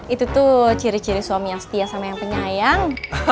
itu tuh ciri ciri suami yang setia sama yang penyayang